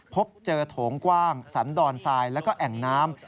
พบเจอโถงกว้างสันดอนทรายแล้วก็แอ่งน้ำ